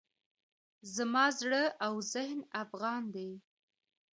زما زړه او ذهن افغان دی.